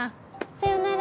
さよなら。